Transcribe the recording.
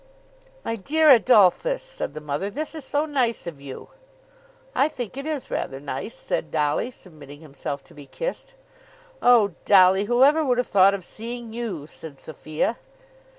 "My dear Adolphus," said the mother, "this is so nice of you." "I think it is rather nice," said Dolly, submitting himself to be kissed. "Oh Dolly, whoever would have thought of seeing you?" said Sophia.